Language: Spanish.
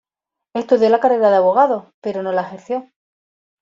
Estudió la carrera de abogado, pero no la ejerció.